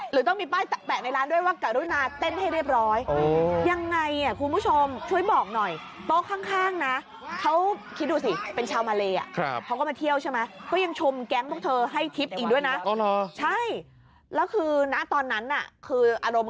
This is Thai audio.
หรือต้องมีป้ายแปะในร้านด้วยว่าการุณาเต้นให้เรียบร้อย